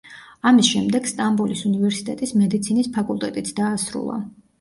ამის შემდეგ, სტამბოლის უნივერსიტეტის მედიცინის ფაკულტეტიც დაასრულა.